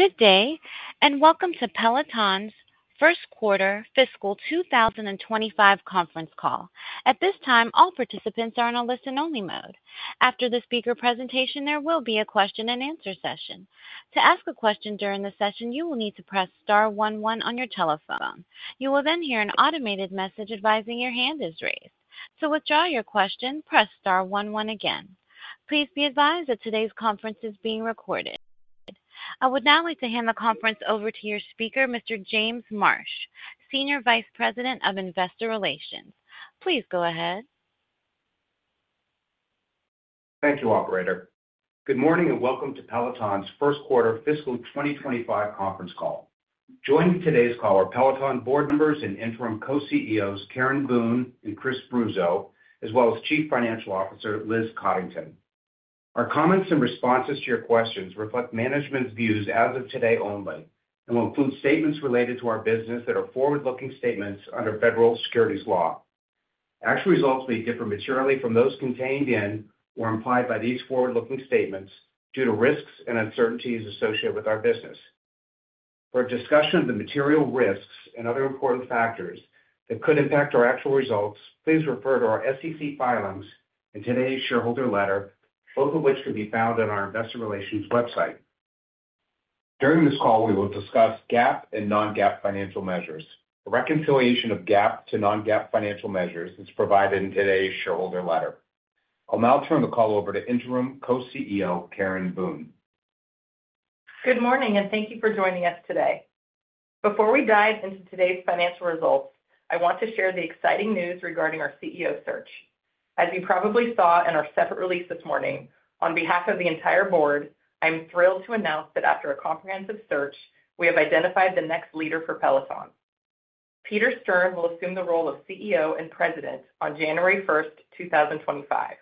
Good day, and welcome to Peloton's first quarter fiscal 2025 conference call. At this time, all participants are in a listen-only mode. After the speaker presentation, there will be a question-and-answer session. To ask a question during the session, you will need to press star one one on your telephone. You will then hear an automated message advising your hand is raised. To withdraw your question, press star one one again. Please be advised that today's conference is being recorded. I would now like to hand the conference over to your speaker, Mr. James Marsh, Senior Vice President of Investor Relations. Please go ahead. Thank you, Operator. Good morning and welcome to Peloton's first quarter fiscal 2025 conference call. Joining today's call are Peloton board members and interim co-CEOs Karen Boone and Chris Bruzzo, as well as Chief Financial Officer Liz Coddington. Our comments and responses to your questions reflect management's views as of today only and will include statements related to our business that are forward-looking statements under federal securities law. Actual results may differ materially from those contained in or implied by these forward-looking statements due to risks and uncertainties associated with our business. For a discussion of the material risks and other important factors that could impact our actual results, please refer to our SEC filings and today's shareholder letter, both of which can be found on our Investor Relations website. During this call, we will discuss GAAP and non-GAAP financial measures. A reconciliation of GAAP to non-GAAP financial measures is provided in today's shareholder letter. I'll now turn the call over to Interim Co-CEO Karen Boone. Good morning, and thank you for joining us today. Before we dive into today's financial results, I want to share the exciting news regarding our CEO search. As you probably saw in our separate release this morning, on behalf of the entire board, I am thrilled to announce that after a comprehensive search, we have identified the next leader for Peloton. Peter Stern will assume the role of CEO and President on January 1st, 2025.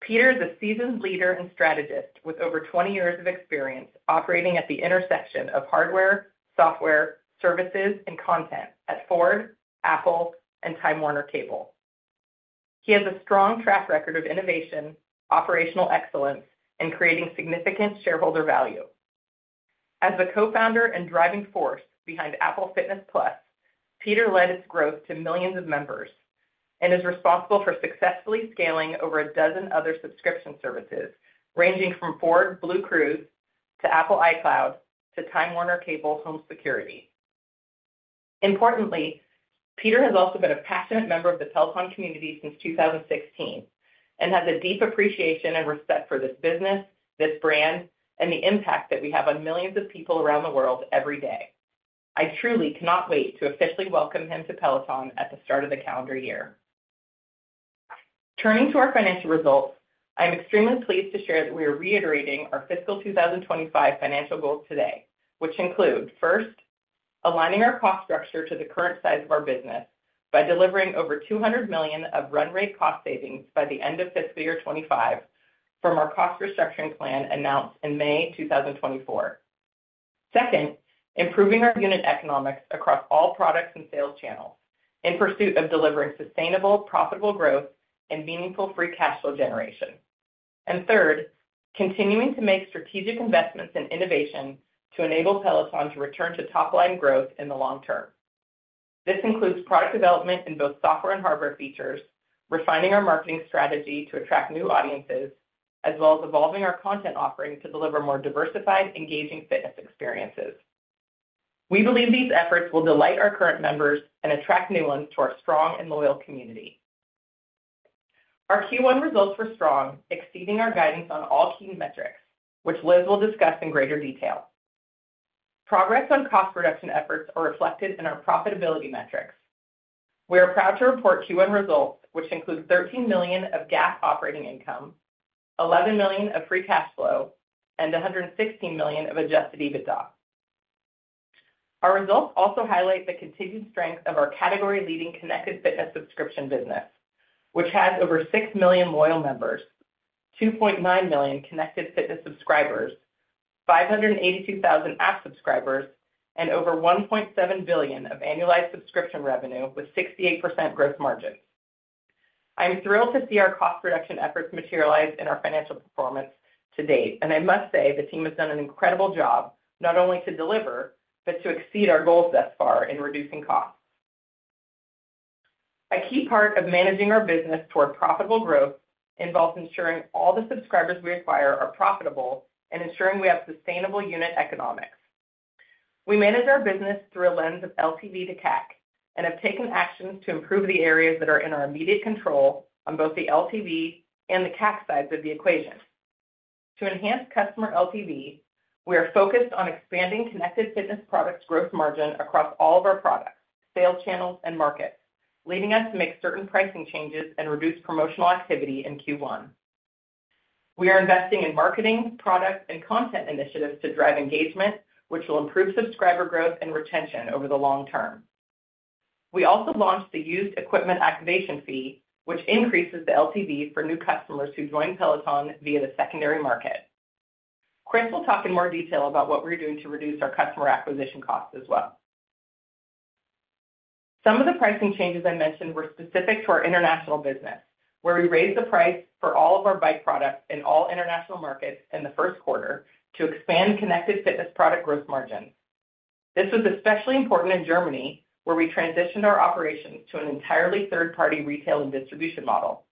Peter is a seasoned leader and strategist with over 20 years of experience operating at the intersection of hardware, software, services, and content at Ford, Apple, and Time Warner Cable. He has a strong track record of innovation, operational excellence, and creating significant shareholder value. As the co-founder and driving force behind Apple Fitness+, Peter led its growth to millions of members and is responsible for successfully scaling over a dozen other subscription services ranging from Ford BlueCruise to Apple iCloud to Time Warner Cable home security. Importantly, Peter has also been a passionate member of the Peloton community since 2016 and has a deep appreciation and respect for this business, this brand, and the impact that we have on millions of people around the world every day. I truly cannot wait to officially welcome him to Peloton at the start of the calendar year. Turning to our financial results, I am extremely pleased to share that we are reiterating our fiscal 2025 financial goals today, which include, first, aligning our cost structure to the current size of our business by delivering over $200 million of run-rate cost savings by the end of fiscal year 2025 from our cost restructuring plan announced in May 2024. Second, improving our unit economics across all products and sales channels in pursuit of delivering sustainable, profitable growth and meaningful free cash flow generation. And third, continuing to make strategic investments in innovation to enable Peloton to return to top-line growth in the long term. This includes product development in both software and hardware features, refining our marketing strategy to attract new audiences, as well as evolving our content offering to deliver more diversified, engaging fitness experiences. We believe these efforts will delight our current members and attract new ones to our strong and loyal community. Our Q1 results were strong, exceeding our guidance on all key metrics, which Liz will discuss in greater detail. Progress on cost reduction efforts is reflected in our profitability metrics. We are proud to report Q1 results, which include $13 million of GAAP operating income, $11 million of free cash flow, and $116 million of Adjusted EBITDA. Our results also highlight the continued strength of our category-leading Connected Fitness subscription business, which has over 6 million loyal members, 2.9 million Connected Fitness subscribers, 582,000 app subscribers, and over $1.7 billion of annualized subscription revenue with 68% gross margins. I'm thrilled to see our cost reduction efforts materialize in our financial performance to date, and I must say the team has done an incredible job not only to deliver, but to exceed our goals thus far in reducing costs. A key part of managing our business toward profitable growth involves ensuring all the subscribers we acquire are profitable and ensuring we have sustainable unit economics. We manage our business through a lens of LTV to CAC and have taken actions to improve the areas that are in our immediate control on both the LTV and the CAC sides of the equation. To enhance customer LTV, we are focused on expanding connected fitness products' gross margin across all of our products, sales channels, and markets, leading us to make certain pricing changes and reduce promotional activity in Q1. We are investing in marketing, product, and content initiatives to drive engagement, which will improve subscriber growth and retention over the long term. We also launched the used equipment activation fee, which increases the LTV for new customers who join Peloton via the secondary market. Chris will talk in more detail about what we're doing to reduce our customer acquisition costs as well. Some of the pricing changes I mentioned were specific to our international business, where we raised the price for all of our bike products in all international markets in the first quarter to expand connected fitness product gross margins. This was especially important in Germany, where we transitioned our operations to an entirely third-party retail and distribution model.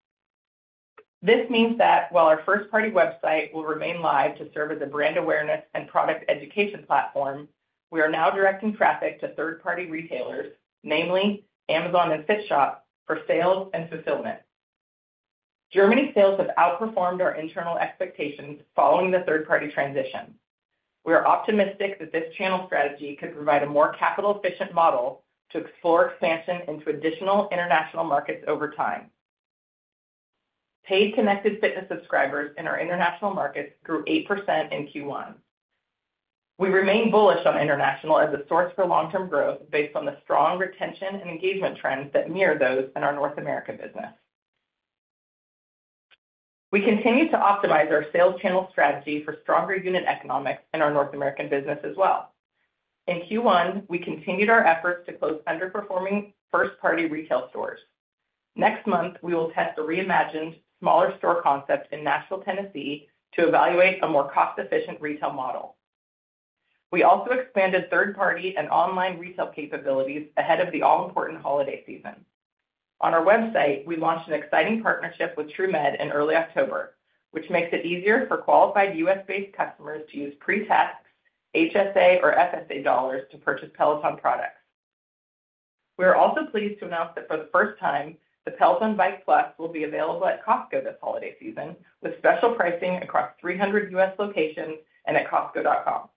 This means that while our first-party website will remain live to serve as a brand awareness and product education platform, we are now directing traffic to third-party retailers, namely Amazon and Fitshop, for sales and fulfillment. Germany's sales have outperformed our internal expectations following the third-party transition. We are optimistic that this channel strategy could provide a more capital-efficient model to explore expansion into additional international markets over time. Paid connected fitness subscribers in our international markets grew 8% in Q1. We remain bullish on international as a source for long-term growth based on the strong retention and engagement trends that mirror those in our North America business. We continue to optimize our sales channel strategy for stronger unit economics in our North American business as well. In Q1, we continued our efforts to close underperforming first-party retail stores. Next month, we will test a reimagined, smaller store concept in Nashville, Tennessee, to evaluate a more cost-efficient retail model. We also expanded third-party and online retail capabilities ahead of the all-important holiday season. On our website, we launched an exciting partnership with TruMed in early October, which makes it easier for qualified U.S.-based customers to use pre-tax, HSA, or FSA dollars to purchase Peloton products. We are also pleased to announce that for the first time, the Peloton Bike+ will be available at Costco this holiday season with special pricing across 300 U.S. locations and at Costco.com.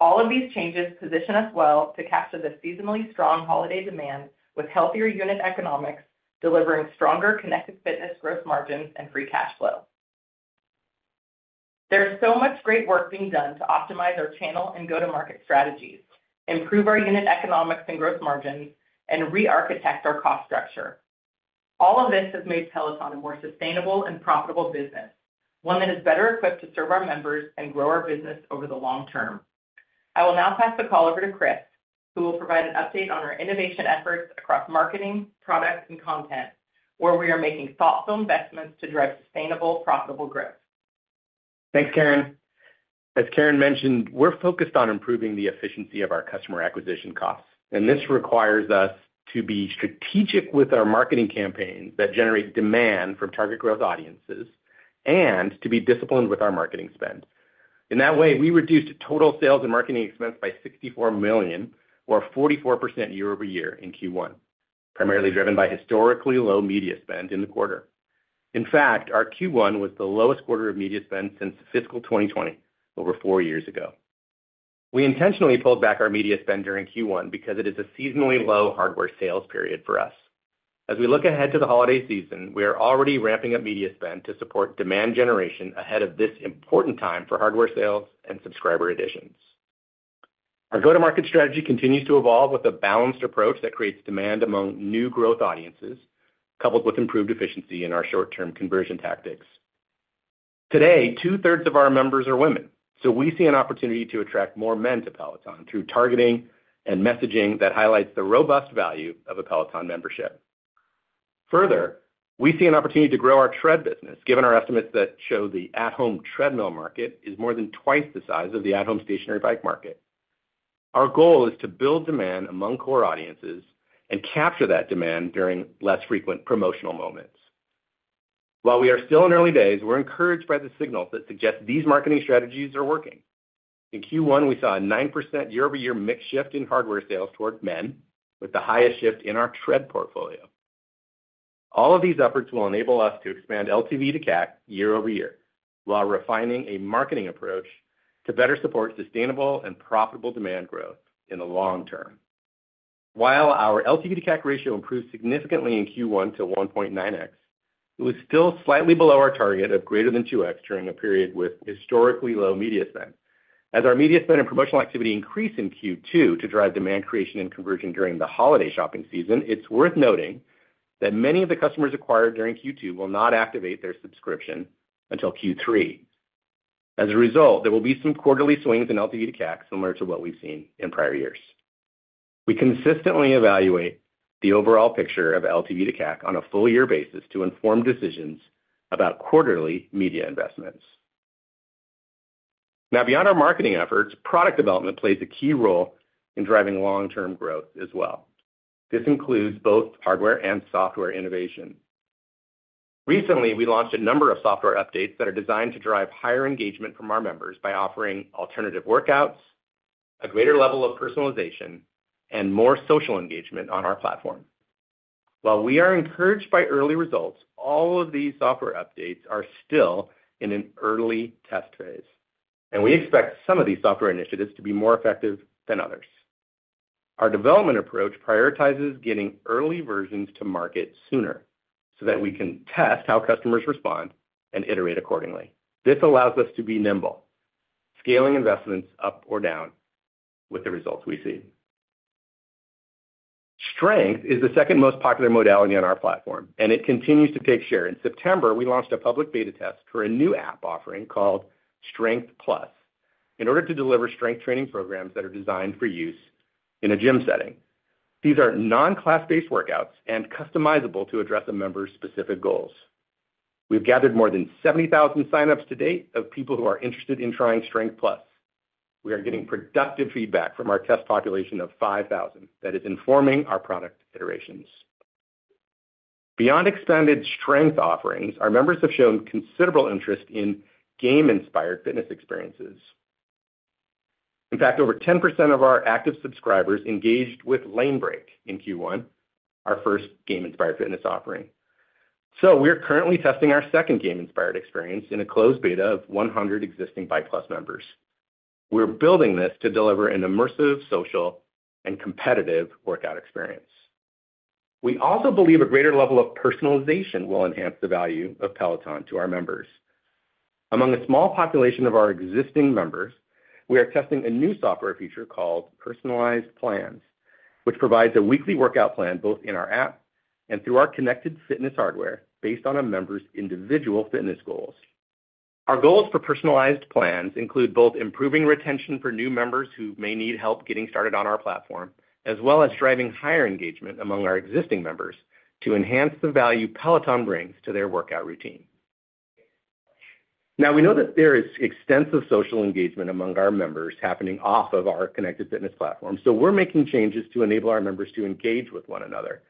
All of these changes position us well to capture the seasonally strong holiday demand with healthier unit economics, delivering stronger connected fitness gross margins and free cash flow. There is so much great work being done to optimize our channel and go-to-market strategies, improve our unit economics and gross margins, and re-architect our cost structure. All of this has made Peloton a more sustainable and profitable business, one that is better equipped to serve our members and grow our business over the long term. I will now pass the call over to Chris, who will provide an update on our innovation efforts across marketing, product, and content, where we are making thoughtful investments to drive sustainable, profitable growth. Thanks, Karen. As Karen mentioned, we're focused on improving the efficiency of our customer acquisition costs, and this requires us to be strategic with our marketing campaigns that generate demand from target growth audiences and to be disciplined with our marketing spend. In that way, we reduced total sales and marketing expense by $64 million, or 44% year-over-year in Q1, primarily driven by historically low media spend in the quarter. In fact, our Q1 was the lowest quarter of media spend since fiscal 2020, over four years ago. We intentionally pulled back our media spend during Q1 because it is a seasonally low hardware sales period for us. As we look ahead to the holiday season, we are already ramping up media spend to support demand generation ahead of this important time for hardware sales and subscriber additions. Our go-to-market strategy continues to evolve with a balanced approach that creates demand among new growth audiences, coupled with improved efficiency in our short-term conversion tactics. Today, two-thirds of our members are women, so we see an opportunity to attract more men to Peloton through targeting and messaging that highlights the robust value of a Peloton membership. Further, we see an opportunity to grow our tread business, given our estimates that show the at-home treadmill market is more than twice the size of the at-home stationary bike market. Our goal is to build demand among core audiences and capture that demand during less frequent promotional moments. While we are still in early days, we're encouraged by the signals that suggest these marketing strategies are working. In Q1, we saw a 9% year-over-year mix shift in hardware sales toward men, with the highest shift in our tread portfolio. All of these efforts will enable us to expand LTV to CAC year-over-year while refining a marketing approach to better support sustainable and profitable demand growth in the long term. While our LTV to CAC ratio improved significantly in Q1 to 1.9x, it was still slightly below our target of greater than 2x during a period with historically low media spend. As our media spend and promotional activity increase in Q2 to drive demand creation and conversion during the holiday shopping season, it's worth noting that many of the customers acquired during Q2 will not activate their subscription until Q3. As a result, there will be some quarterly swings in LTV to CAC similar to what we've seen in prior years. We consistently evaluate the overall picture of LTV to CAC on a full-year basis to inform decisions about quarterly media investments. Now, beyond our marketing efforts, product development plays a key role in driving long-term growth as well. This includes both hardware and software innovation. Recently, we launched a number of software updates that are designed to drive higher engagement from our members by offering alternative workouts, a greater level of personalization, and more social engagement on our platform. While we are encouraged by early results, all of these software updates are still in an early test phase, and we expect some of these software initiatives to be more effective than others. Our development approach prioritizes getting early versions to market sooner so that we can test how customers respond and iterate accordingly. This allows us to be nimble, scaling investments up or down with the results we see. Strength is the second most popular modality on our platform, and it continues to take share. In September, we launched a public beta test for a new app offering called Strength+ in order to deliver strength training programs that are designed for use in a gym setting. These are non-class-based workouts and customizable to address a member's specific goals. We've gathered more than 70,000 sign-ups to date of people who are interested in trying Strength+. We are getting productive feedback from our test population of 5,000 that is informing our product iterations. Beyond expanded strength offerings, our members have shown considerable interest in game-inspired fitness experiences. In fact, over 10% of our active subscribers engaged with Lanebreak in Q1, our first game-inspired fitness offering. So we're currently testing our second game-inspired experience in a closed beta of 100 existing Bike+ members. We're building this to deliver an immersive, social, and competitive workout experience. We also believe a greater level of personalization will enhance the value of Peloton to our members. Among a small population of our existing members, we are testing a new software feature called Personalized Plans, which provides a weekly workout plan both in our app and through our connected fitness hardware based on a member's individual fitness goals. Our goals for Personalized Plans include both improving retention for new members who may need help getting started on our platform, as well as driving higher engagement among our existing members to enhance the value Peloton brings to their workout routine. Now, we know that there is extensive social engagement among our members happening off of our connected fitness platform, so we're making changes to enable our members to engage with one another.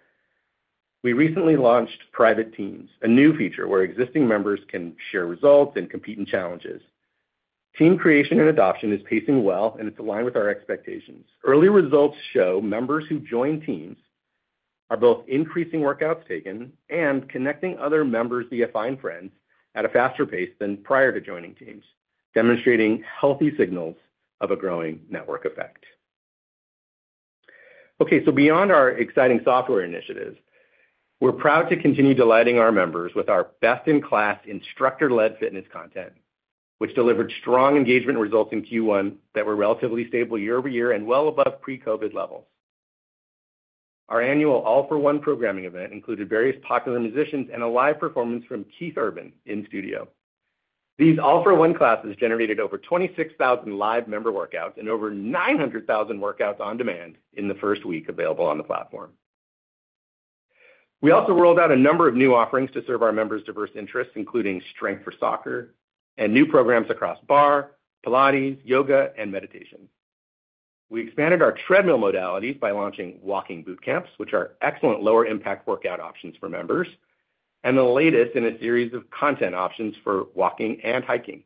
We recently launched Private Teams, a new feature where existing members can share results and compete in challenges. Team creation and adoption is pacing well, and it's aligned with our expectations. Early results show members who join Teams are both increasing workouts taken and connecting other members via Find Friends at a faster pace than prior to joining Teams, demonstrating healthy signals of a growing network effect. Okay, so beyond our exciting software initiatives, we're proud to continue delighting our members with our best-in-class instructor-led fitness content, which delivered strong engagement results in Q1 that were relatively stable year-over-year and well above pre-COVID levels. Our annual All For One programming event included various popular musicians and a live performance from Keith Urban in studio. These All For One classes generated over 26,000 live member workouts and over 900,000 workouts on demand in the first week available on the platform. We also rolled out a number of new offerings to serve our members' diverse interests, including Strength for Soccer and new programs across barre, Pilates, yoga, and meditation. We expanded our treadmill modalities by launching walking boot camps, which are excellent lower-impact workout options for members, and the latest in a series of content options for walking and hiking.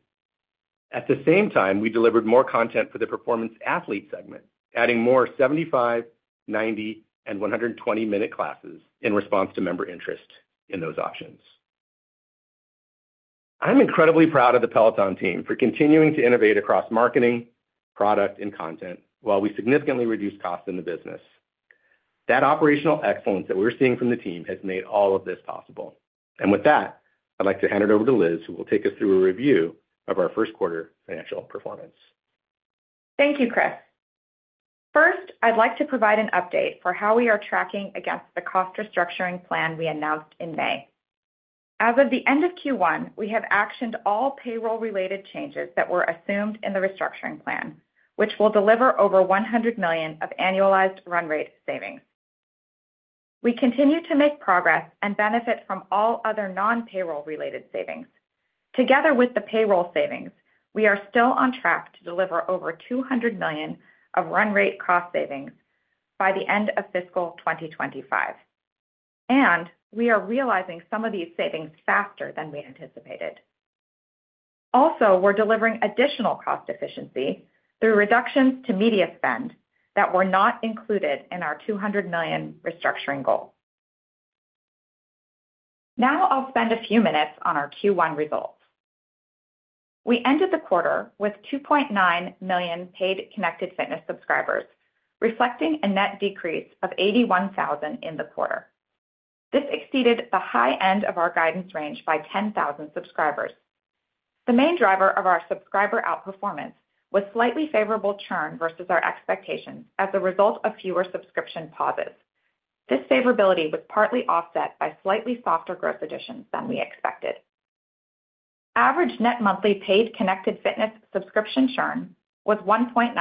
At the same time, we delivered more content for the performance athlete segment, adding more 75, 90, and 120-minute classes in response to member interest in those options. I'm incredibly proud of the Peloton team for continuing to innovate across marketing, product, and content while we significantly reduce costs in the business. That operational excellence that we're seeing from the team has made all of this possible. And with that, I'd like to hand it over to Liz, who will take us through a review of our first-quarter financial performance. Thank you, Chris. First, I'd like to provide an update for how we are tracking against the cost restructuring plan we announced in May. As of the end of Q1, we have actioned all payroll-related changes that were assumed in the restructuring plan, which will deliver over $100 million of annualized run rate savings. We continue to make progress and benefit from all other non-payroll-related savings. Together with the payroll savings, we are still on track to deliver over $200 million of run rate cost savings by the end of fiscal 2025, and we are realizing some of these savings faster than we anticipated. Also, we're delivering additional cost efficiency through reductions to media spend that were not included in our $200 million restructuring goal. Now, I'll spend a few minutes on our Q1 results. We ended the quarter with $2.9 million paid connected fitness subscribers, reflecting a net decrease of 81,000 in the quarter. This exceeded the high end of our guidance range by 10,000 subscribers. The main driver of our subscriber outperformance was slightly favorable churn versus our expectations as a result of fewer subscription pauses. This favorability was partly offset by slightly softer growth additions than we expected. Average net monthly paid connected fitness subscription churn was 1.9%,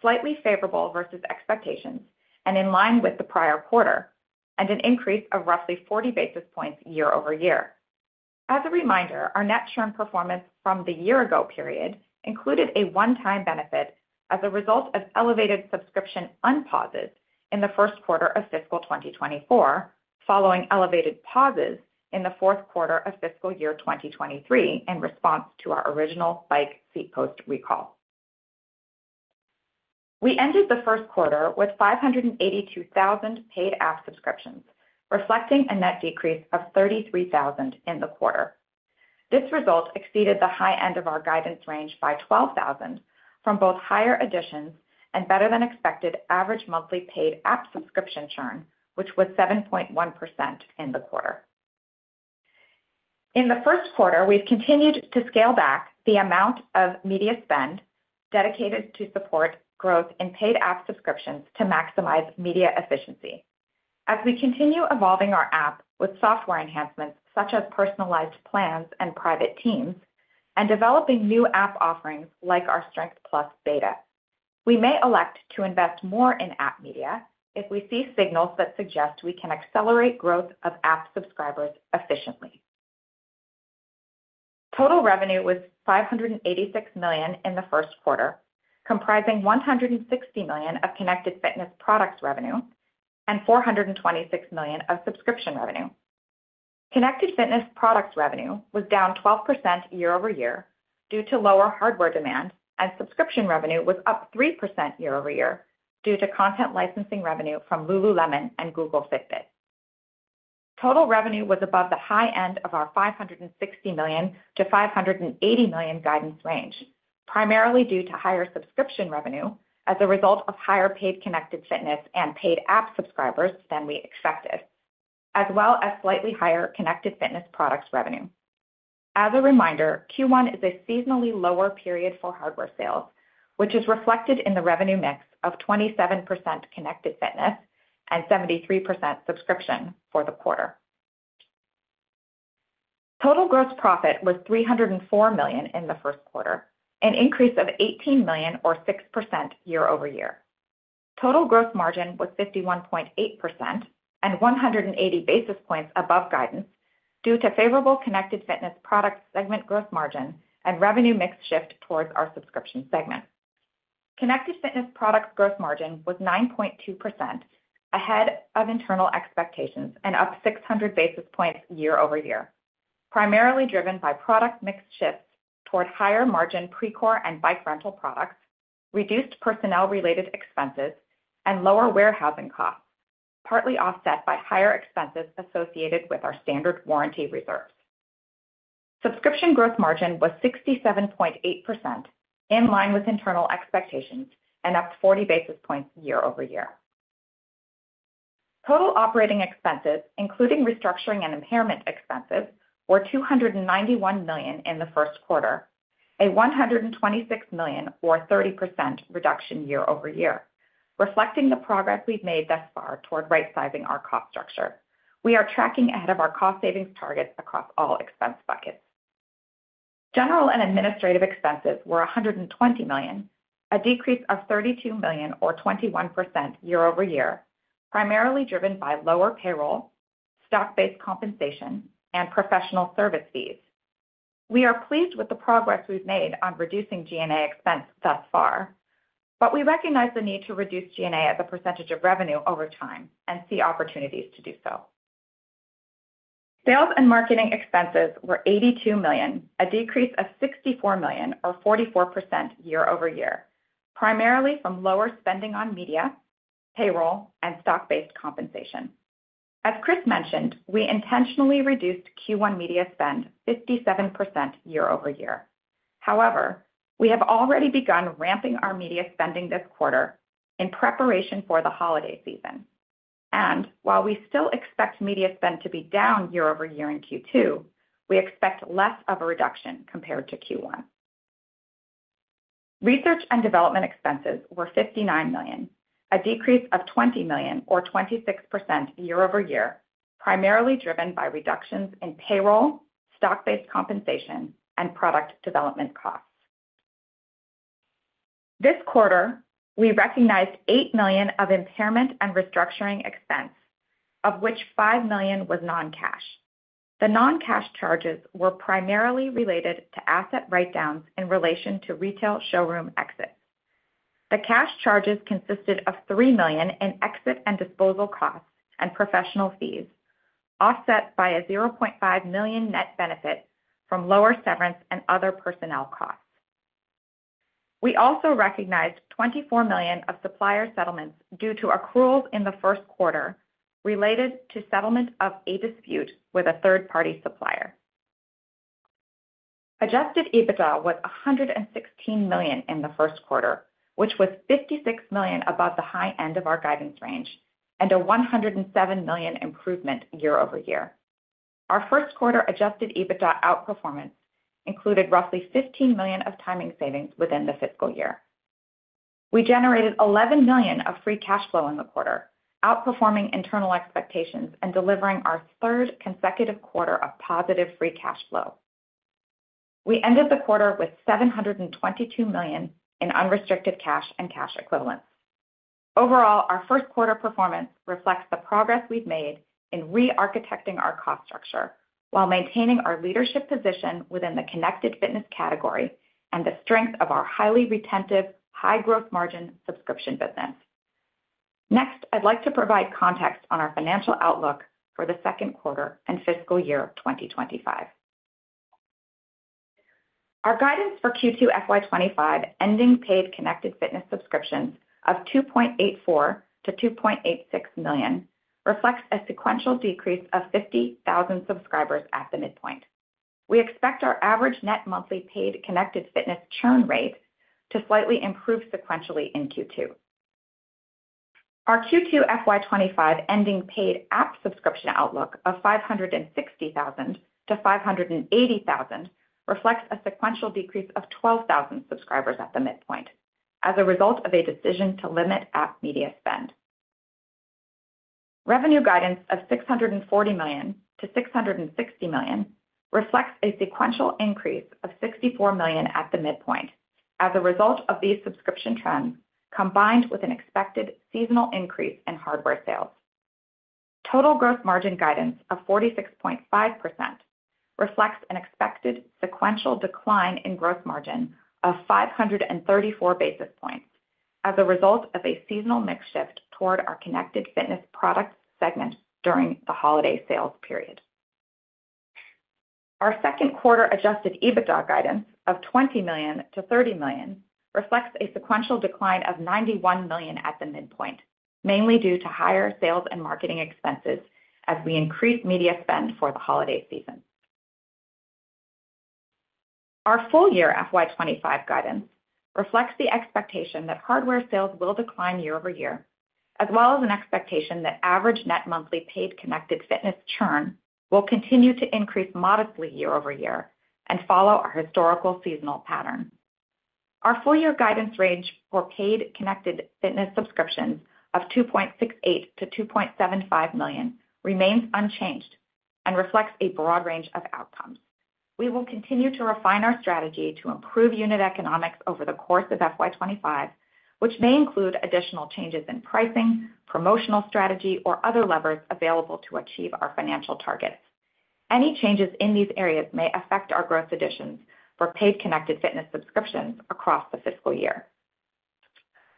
slightly favorable versus expectations and in line with the prior quarter, and an increase of roughly 40 basis points year-over-year. As a reminder, our net churn performance from the year-ago period included a one-time benefit as a result of elevated subscription unpauses in the first quarter of fiscal 2024, following elevated pauses in the fourth quarter of fiscal year 2023 in response to our original bike seat post recall. We ended the first quarter with 582,000 paid app subscriptions, reflecting a net decrease of 33,000 in the quarter. This result exceeded the high end of our guidance range by 12,000 from both higher additions and better-than-expected average monthly paid app subscription churn, which was 7.1% in the quarter. In the first quarter, we've continued to scale back the amount of media spend dedicated to support growth in paid app subscriptions to maximize media efficiency. As we continue evolving our app with software enhancements such as Personalized Plans and Private Teams and developing new app offerings like our Strength+ Beta, we may elect to invest more in app media if we see signals that suggest we can accelerate growth of app subscribers efficiently. Total revenue was $586 million in the first quarter, comprising $160 million of connected fitness products revenue and $426 million of subscription revenue. Connected fitness products revenue was down 12% year-over-year due to lower hardware demand, and subscription revenue was up 3% year-over-year due to content licensing revenue from Lululemon and Google Fitbit. Total revenue was above the high end of our $560 million-$580 million guidance range, primarily due to higher subscription revenue as a result of higher paid connected fitness and paid app subscribers than we expected, as well as slightly higher connected fitness products revenue. As a reminder, Q1 is a seasonally lower period for hardware sales, which is reflected in the revenue mix of 27% connected fitness and 73% subscription for the quarter. Total gross profit was $304 million in the first quarter, an increase of $18 million, or 6% year-over-year. Total gross margin was 51.8% and 180 basis points above guidance due to favorable connected fitness product segment gross margin and revenue mix shift towards our subscription segment. Connected fitness products gross margin was 9.2% ahead of internal expectations and up 600 basis points year-over-year, primarily driven by product mix shifts toward higher margin Precor and bike rental products, reduced personnel-related expenses, and lower warehousing costs, partly offset by higher expenses associated with our standard warranty reserves. Subscription gross margin was 67.8%, in line with internal expectations and up 40 basis points year-over-year. Total operating expenses, including restructuring and impairment expenses, were $291 million in the first quarter, a $126 million, or 30% reduction year-over-year, reflecting the progress we've made thus far toward right-sizing our cost structure. We are tracking ahead of our cost savings targets across all expense buckets. General and administrative expenses were $120 million, a decrease of $32 million, or 21% year-over-year, primarily driven by lower payroll, stock-based compensation, and professional service fees. We are pleased with the progress we've made on reducing G&A expense thus far, but we recognize the need to reduce G&A as a percentage of revenue over time and see opportunities to do so. Sales and marketing expenses were $82 million, a decrease of $64 million, or 44% year-over-year, primarily from lower spending on media, payroll, and stock-based compensation. As Chris mentioned, we intentionally reduced Q1 media spend 57% year-over-year. However, we have already begun ramping our media spending this quarter in preparation for the holiday season, and while we still expect media spend to be down year-over-year in Q2, we expect less of a reduction compared to Q1. Research and development expenses were $59 million, a decrease of $20 million, or 26% year-over-year, primarily driven by reductions in payroll, stock-based compensation, and product development costs. This quarter, we recognized $8 million of impairment and restructuring expense, of which $5 million was non-cash. The non-cash charges were primarily related to asset write-downs in relation to retail showroom exits. The cash charges consisted of $3 million in exit and disposal costs and professional fees, offset by a $0.5 million net benefit from lower severance and other personnel costs. We also recognized $24 million of supplier settlements due to accruals in the first quarter related to settlement of a dispute with a third-party supplier. Adjusted EBITDA was $116 million in the first quarter, which was $56 million above the high end of our guidance range and a $107 million improvement year-over-year. Our first-quarter Adjusted EBITDA outperformance included roughly $15 million of timing savings within the fiscal year. We generated $11 million of free cash flow in the quarter, outperforming internal expectations and delivering our third consecutive quarter of positive free cash flow. We ended the quarter with $722 million in unrestricted cash and cash equivalents. Overall, our first-quarter performance reflects the progress we've made in re-architecting our cost structure while maintaining our leadership position within the connected fitness category and the strength of our highly retentive, high-growth margin subscription business. Next, I'd like to provide context on our financial outlook for the second quarter and fiscal year 2025. Our guidance for Q2 FY2025 ending paid connected fitness subscriptions of 2.84 million-2.86 million reflects a sequential decrease of 50,000 subscribers at the midpoint. We expect our average net monthly paid connected fitness churn rate to slightly improve sequentially in Q2. Our Q2 FY2025 ending paid app subscription outlook of 560,000-580,000 reflects a sequential decrease of 12,000 subscribers at the midpoint as a result of a decision to limit app media spend. Revenue guidance of $640 million-$660 million reflects a sequential increase of $64 million at the midpoint as a result of these subscription trends combined with an expected seasonal increase in hardware sales. Total gross margin guidance of 46.5% reflects an expected sequential decline in gross margin of 534 basis points as a result of a seasonal mix shift toward our connected fitness products segment during the holiday sales period. Our second-quarter Adjusted EBITDA guidance of $20 million-$30 million reflects a sequential decline of $91 million at the midpoint, mainly due to higher sales and marketing expenses as we increase media spend for the holiday season. Our full-year FY2025 guidance reflects the expectation that hardware sales will decline year-over-year, as well as an expectation that average net monthly paid connected fitness churn will continue to increase modestly year-over-year and follow our historical seasonal pattern. Our full-year guidance range for paid connected fitness subscriptions of 2.68 million-2.75 million remains unchanged and reflects a broad range of outcomes. We will continue to refine our strategy to improve unit economics over the course of FY2025, which may include additional changes in pricing, promotional strategy, or other levers available to achieve our financial targets. Any changes in these areas may affect our gross additions for paid connected fitness subscriptions across the fiscal year.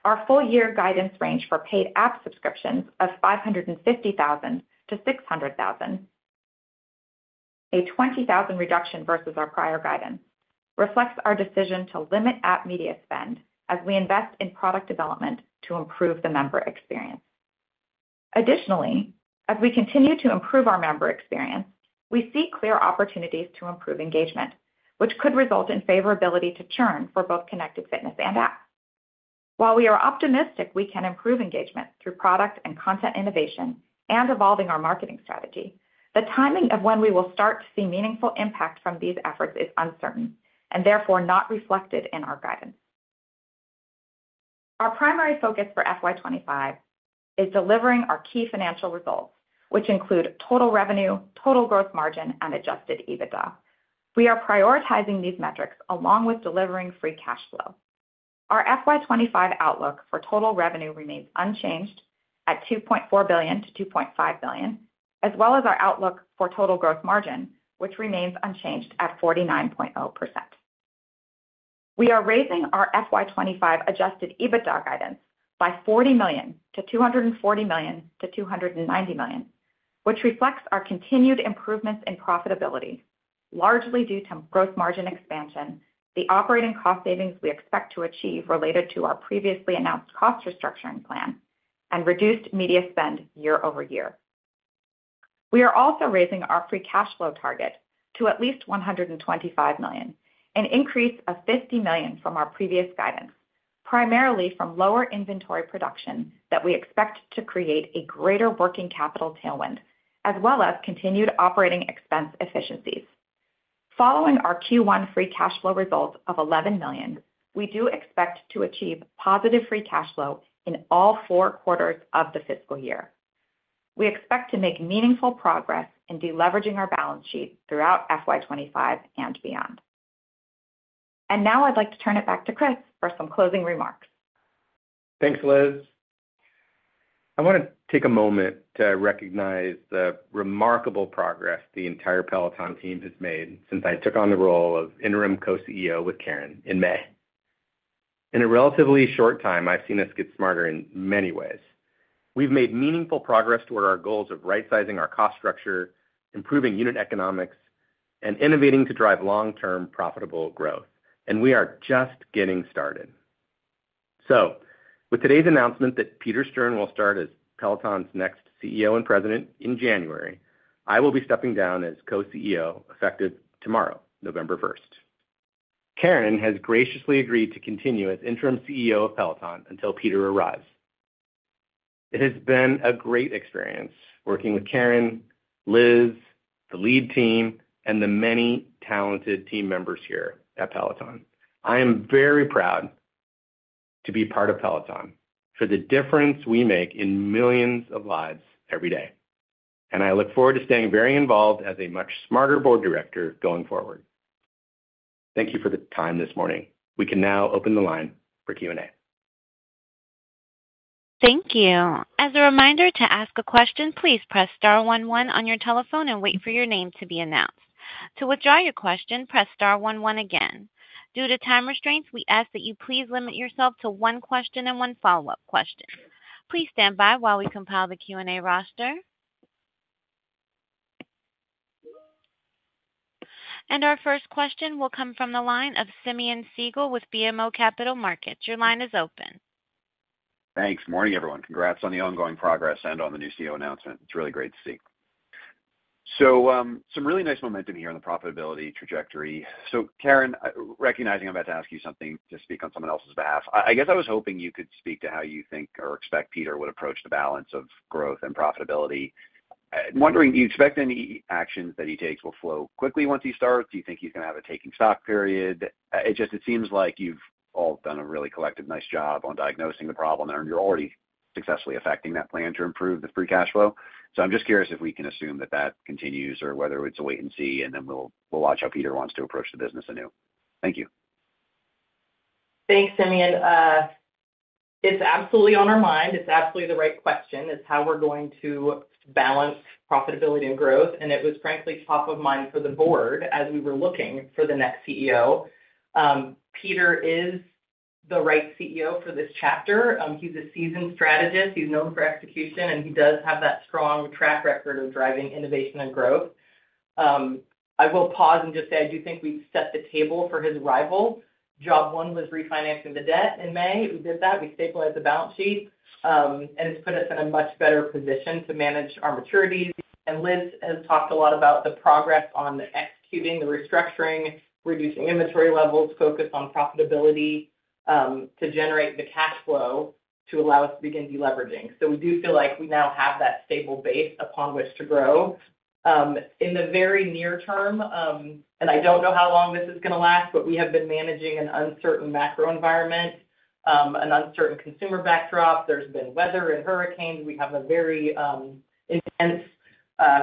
Our full-year guidance range for paid app subscriptions of 550,000-600,000, a 20,000 reduction versus our prior guidance, reflects our decision to limit app media spend as we invest in product development to improve the member experience. Additionally, as we continue to improve our member experience, we see clear opportunities to improve engagement, which could result in favorability to churn for both connected fitness and apps. While we are optimistic we can improve engagement through product and content innovation and evolving our marketing strategy, the timing of when we will start to see meaningful impact from these efforts is uncertain and therefore not reflected in our guidance. Our primary focus for FY2025 is delivering our key financial results, which include total revenue, total gross margin, and Adjusted EBITDA. We are prioritizing these metrics along with delivering free cash flow. Our FY2025 outlook for total revenue remains unchanged at $2.4 billion-$2.5 billion, as well as our outlook for total gross margin, which remains unchanged at 49.0%. We are raising our FY2025 adjusted EBITDA guidance by $40 million-$240 million-$290 million, which reflects our continued improvements in profitability, largely due to gross margin expansion, the operating cost savings we expect to achieve related to our previously announced cost restructuring plan, and reduced media spend year-over-year. We are also raising our free cash flow target to at least $125 million, an increase of $50 million from our previous guidance, primarily from lower inventory production that we expect to create a greater working capital tailwind, as well as continued operating expense efficiencies. Following our Q1 free cash flow results of $11 million, we do expect to achieve positive free cash flow in all four quarters of the fiscal year. We expect to make meaningful progress in deleveraging our balance sheet throughout FY2025 and beyond, and now I'd like to turn it back to Chris for some closing remarks. Thanks, Liz. I want to take a moment to recognize the remarkable progress the entire Peloton team has made since I took on the role of interim co-CEO with Karen in May. In a relatively short time, I've seen us get smarter in many ways. We've made meaningful progress toward our goals of right-sizing our cost structure, improving unit economics, and innovating to drive long-term profitable growth, and we are just getting started. So, with today's announcement that Peter Stern will start as Peloton's next CEO and president in January, I will be stepping down as co-CEO effective tomorrow, November 1st. Karen has graciously agreed to continue as interim CEO of Peloton until Peter arrives. It has been a great experience working with Karen, Liz, the lead team, and the many talented team members here at Peloton. I am very proud to be part of Peloton for the difference we make in millions of lives every day. And I look forward to staying very involved as a much smarter board director going forward. Thank you for the time this morning. We can now open the line for Q&A. Thank you. As a reminder to ask a question, please press star on your telephone and wait for your name to be announced. To withdraw your question, press star one one again. Due to time restraints, we ask that you please limit yourself to one question and one follow-up question. Please stand by while we compile the Q&A roster. And our first question will come from the line of Simeon Siegel with BMO Capital Markets. Your line is open. Thanks. Morning, everyone. Congrats on the ongoing progress and on the new CEO announcement. It's really great to see. So, some really nice momentum here on the profitability trajectory. So, Karen, recognizing I'm about to ask you something to speak on someone else's behalf, I guess I was hoping you could speak to how you think or expect Peter would approach the balance of growth and profitability. I'm wondering if you expect any actions that he takes will flow quickly once he starts? Do you think he's going to have a taking stock period? It just seems like you've all done a really collective nice job on diagnosing the problem and you're already successfully affecting that plan to improve the free cash flow. So I'm just curious if we can assume that that continues or whether it's a wait and see, and then we'll watch how Peter wants to approach the business anew. Thank you. Thanks, Simeon. It's absolutely on our mind. It's absolutely the right question as to how we're going to balance profitability and growth. It was frankly top of mind for the board as we were looking for the next CEO. Peter is the right CEO for this chapter. He's a seasoned strategist. He's known for execution, and he does have that strong track record of driving innovation and growth. I will pause and just say I do think we've set the table for his arrival. Job one was refinancing the debt in May. We did that. We stabilized the balance sheet and it's put us in a much better position to manage our maturities, and Liz has talked a lot about the progress on executing the restructuring, reducing inventory levels, focus on profitability to generate the cash flow to allow us to begin deleveraging, so we do feel like we now have that stable base upon which to grow. In the very near term, and I don't know how long this is going to last, but we have been managing an uncertain macro environment, an uncertain consumer backdrop. There's been weather and hurricanes. We have a very intense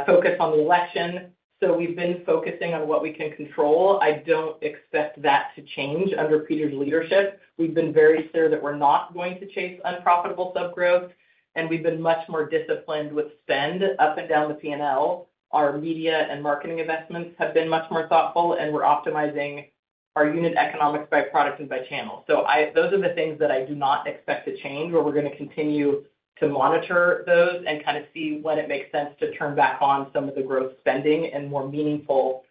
focus on the election, so we've been focusing on what we can control. I don't expect that to change under Peter's leadership. We've been very clear that we're not going to chase unprofitable subgrowth, and we've been much more disciplined with spend up and down the P&L. Our media and marketing investments have been much more thoughtful, and we're optimizing our unit economics by product and by channel. So those are the things that I do not expect to change, but we're going to continue to monitor those and kind of see when it makes sense to turn back on some of the growth spending in more meaningful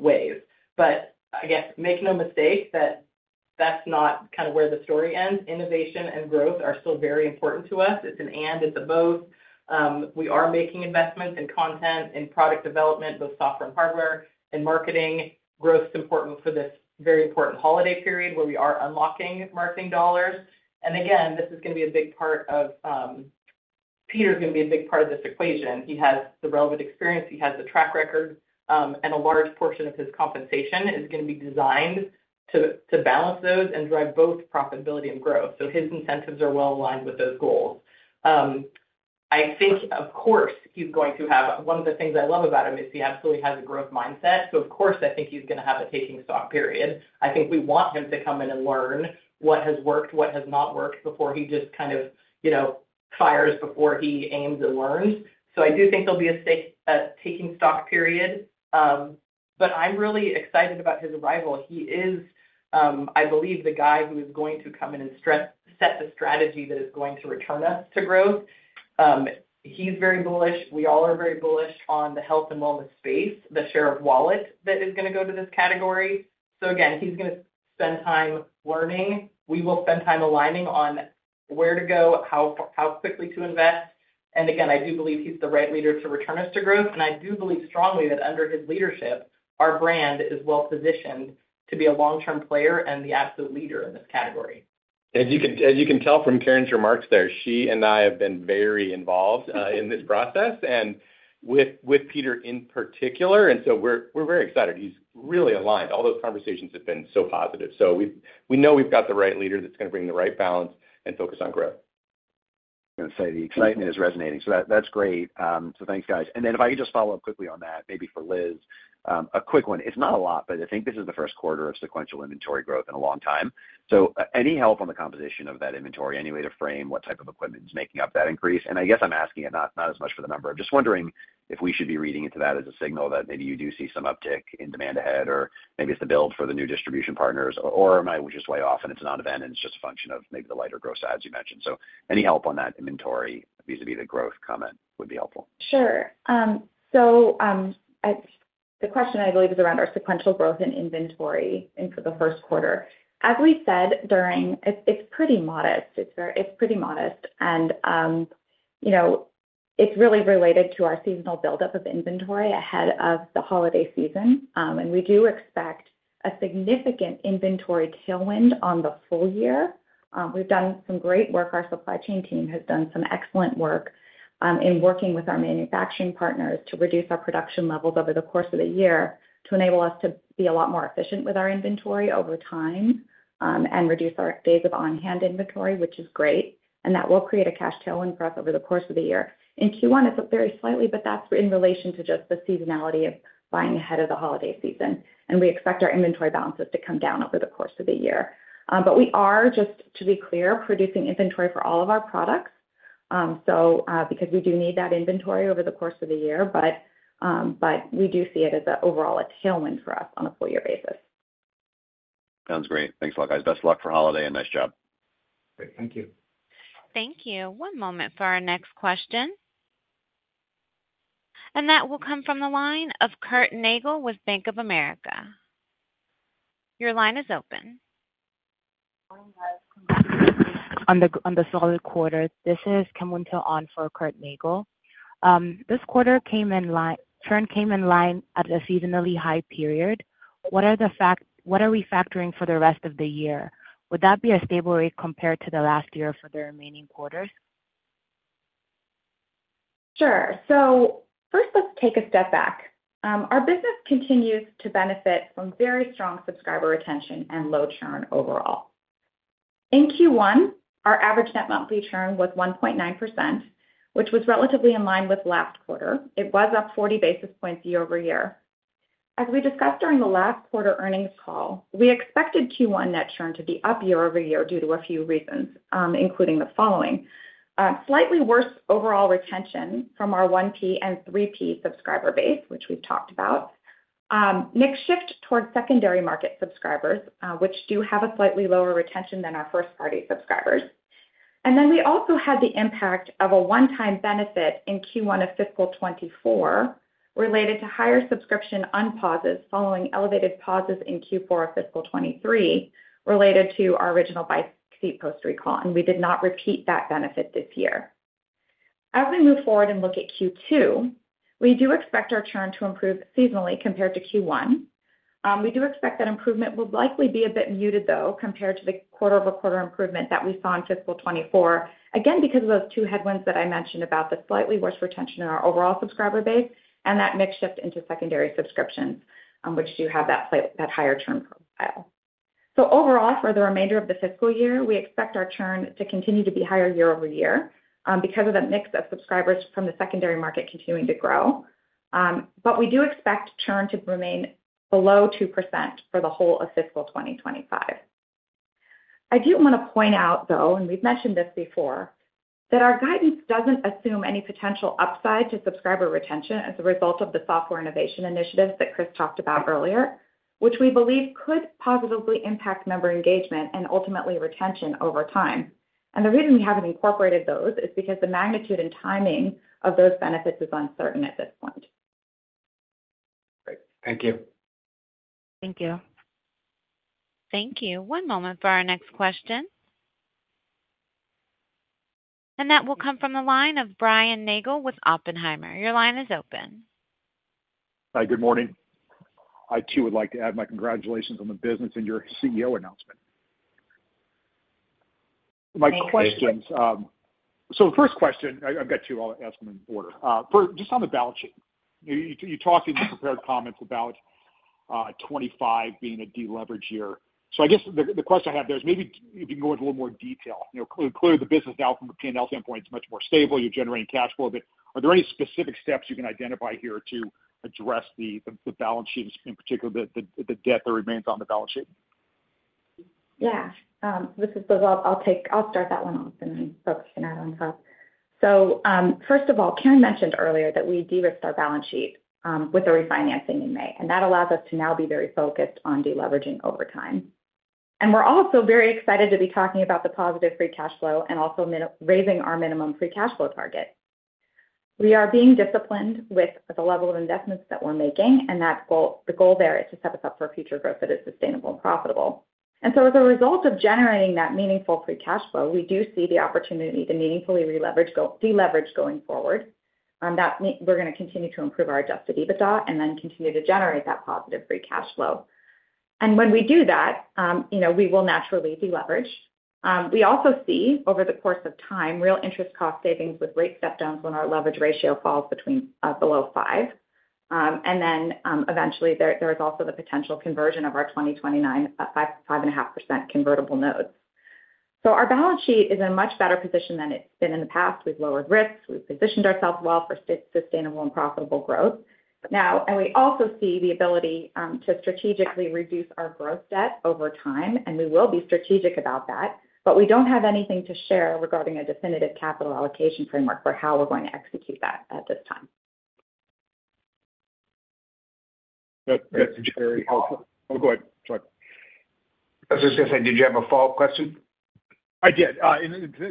ways. But I guess make no mistake that that's not kind of where the story ends. Innovation and growth are still very important to us. It's an and, it's a both. We are making investments in content, in product development, both software and hardware, in marketing. Growth is important for this very important holiday period where we are unlocking marketing dollars. And again, this is going to be a big part of Peter. He's going to be a big part of this equation. He has the relevant experience. He has the track record, and a large portion of his compensation is going to be designed to balance those and drive both profitability and growth. So his incentives are well aligned with those goals. I think, of course, he's going to have. One of the things I love about him is he absolutely has a growth mindset. So of course, I think he's going to have a taking stock period. I think we want him to come in and learn what has worked, what has not worked before he just kind of fires before he aims and learns. So I do think there'll be a taking stock period. But I'm really excited about his arrival. He is, I believe, the guy who is going to come in and set the strategy that is going to return us to growth. He's very bullish. We all are very bullish on the health and wellness space, the share of wallet that is going to go to this category, so again, he's going to spend time learning. We will spend time aligning on where to go, how quickly to invest, and again, I do believe he's the right leader to return us to growth, and I do believe strongly that under his leadership, our brand is well positioned to be a long-term player and the absolute leader in this category. As you can tell from Karen's remarks there, she and I have been very involved in this process and with Peter in particular, and so we're very excited. He's really aligned. All those conversations have been so positive. So we know we've got the right leader that's going to bring the right balance and focus on growth. I'm going to say the excitement is resonating. So that's great. So thanks, guys. And then if I could just follow up quickly on that, maybe for Liz, a quick one. It's not a lot, but I think this is the first quarter of sequential inventory growth in a long time. So any help on the composition of that inventory, any way to frame what type of equipment is making up that increase? And I guess I'm asking it not as much for the number. I'm just wondering if we should be reading into that as a signal that maybe you do see some uptick in demand ahead, or maybe it's the build for the new distribution partners, or am I just way off and it's an on-demand and it's just a function of maybe the lighter gross adds you mentioned? So any help on that inventory vis-à-vis the growth comment would be helpful. Sure. So the question I believe is around our sequential growth in inventory for the first quarter. As we said during, it's pretty modest. And it's really related to our seasonal buildup of inventory ahead of the holiday season. And we do expect a significant inventory tailwind on the full year. We've done some great work. Our supply chain team has done some excellent work in working with our manufacturing partners to reduce our production levels over the course of the year to enable us to be a lot more efficient with our inventory over time and reduce our days of on-hand inventory, which is great. That will create a cash tailwind for us over the course of the year. In Q1, it's up very slightly, but that's in relation to just the seasonality of buying ahead of the holiday season. We expect our inventory balances to come down over the course of the year. We are, just to be clear, producing inventory for all of our products because we do need that inventory over the course of the year. We do see it as overall a tailwind for us on a full-year basis. Sounds great. Thanks a lot, guys. Best of luck for holiday and nice job. Great. Thank you. Thank you. One moment for our next question. And that will come from the line of Curtis Nagle with Bank of America. Your line is open. On the solid quarter, this is Kim Wintle on for Curt Nagel. This quarter, churn came in line at a seasonally high period. What are we factoring for the rest of the year? Would that be a stable rate compared to the last year for the remaining quarters? Sure. So first, let's take a step back. Our business continues to benefit from very strong subscriber retention and low churn overall. In Q1, our average net monthly churn was 1.9%, which was relatively in line with last quarter. It was up 40 basis points year-over-year. As we discussed during the last quarter earnings call, we expected Q1 net churn to be up year-over-year due to a few reasons, including the following: slightly worse overall retention from our 1P and 3P subscriber base, which we've talked about, mix shift towards secondary market subscribers, which do have a slightly lower retention than our first-party subscribers, and then we also had the impact of a one-time benefit in Q1 of fiscal 2024 related to higher subscription unpauses following elevated pauses in Q4 of fiscal 2023 related to our original Bike seat post recall, and we did not repeat that benefit this year. As we move forward and look at Q2, we do expect our churn to improve seasonally compared to Q1. We do expect that improvement will likely be a bit muted, though, compared to the quarter-over-quarter improvement that we saw in fiscal 2024, again, because of those two headwinds that I mentioned about the slightly worse retention in our overall subscriber base and that net shift into secondary subscriptions, which do have that higher churn profile. So overall, for the remainder of the fiscal year, we expect our churn to continue to be higher year-over-year because of that mix of subscribers from the secondary market continuing to grow. But we do expect churn to remain below 2% for the whole of fiscal 2025. I do want to point out, though, and we've mentioned this before, that our guidance doesn't assume any potential upside to subscriber retention as a result of the software innovation initiatives that Chris talked about earlier, which we believe could positively impact member engagement and ultimately retention over time. And the reason we haven't incorporated those is because the magnitude and timing of those benefits is uncertain at this point. Great. Thank you. Thank you. Thank you. One moment for our next question. And that will come from the line of Brian Nagel with Oppenheimer. Your line is open. Hi, good morning. I too would like to add my congratulations on the business and your CEO announcement. My questions. So the first question, I've got two. I'll ask them in order. Just on the balance sheet, you talked in the prepared comments about 2025 being a deleverage year. So I guess the question I have there is maybe if you can go into a little more detail. Clearly, the business now from a P&L standpoint is much more stable. You're generating cash flow. But are there any specific steps you can identify here to address the balance sheet in particular, the debt that remains on the balance sheet? Yeah. I'll start that one off and then focus on that on top. So first of all, Karen mentioned earlier that we derisked our balance sheet with the refinancing in May. And that allows us to now be very focused on deleveraging over time. And we're also very excited to be talking about the positive free cash flow and also raising our minimum free cash flow target. We are being disciplined with the level of investments that we're making. The goal there is to set us up for future growth that is sustainable and profitable. So as a result of generating that meaningful free cash flow, we do see the opportunity to meaningfully deleverage going forward. That means we're going to continue to improve our Adjusted EBITDA and then continue to generate that positive free cash flow. When we do that, we will naturally deleverage. We also see over the course of time real interest cost savings with rate step-downs when our leverage ratio falls below five. Then eventually, there is also the potential conversion of our 2029 5.5% convertible notes. Our balance sheet is in a much better position than it's been in the past. We've lowered risks. We've positioned ourselves well for sustainable and profitable growth. We also see the ability to strategically reduce our growth debt over time. And we will be strategic about that. But we don't have anything to share regarding a definitive capital allocation framework for how we're going to execute that at this time. That's very helpful. Oh, go ahead. Sorry. I was just going to say, did you have a follow-up question? I did.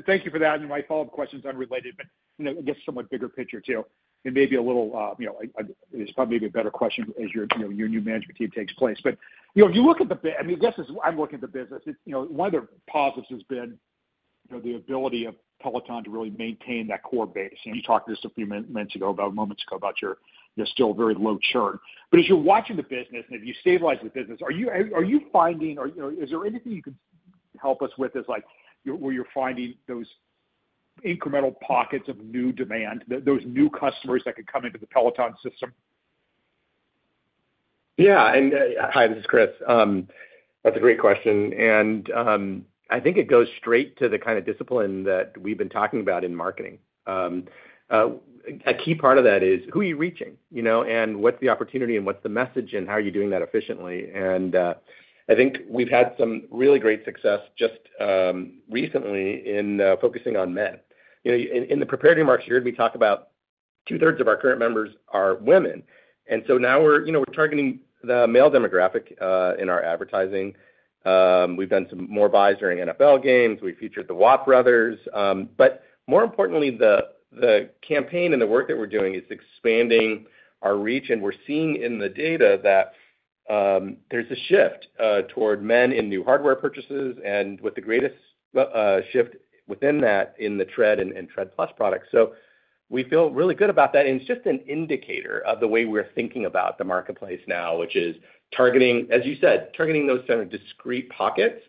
Thank you for that. And my follow-up question's unrelated, but I guess somewhat bigger picture too. And maybe a little. It's probably maybe a better question as your new management team takes place. But if you look at the, I mean, I guess I'm looking at the business. One of the positives has been the ability of Peloton to really maintain that core base. And you talked just a few minutes ago, moments ago, about you're still very low churn. But as you're watching the business and if you stabilize the business, are you finding is there anything you can help us with where you're finding those incremental pockets of new demand, those new customers that could come into the Peloton system? Yeah. And hi, this is Chris. That's a great question. And I think it goes straight to the kind of discipline that we've been talking about in marketing. A key part of that is who are you reaching and what's the opportunity and what's the message and how are you doing that efficiently? And I think we've had some really great success just recently in focusing on men. In the prepared remarks, you heard me talk about two-thirds of our current members are women. And so now we're targeting the male demographic in our advertising. We've done some more buys during NFL games. We featured the Watt Brothers. But more importantly, the campaign and the work that we're doing is expanding our reach. And we're seeing in the data that there's a shift toward men in new hardware purchases and with the greatest shift within that in the Tread and Tread+ products. So we feel really good about that. And it's just an indicator of the way we're thinking about the marketplace now, which is, as you said, targeting those kind of discrete pockets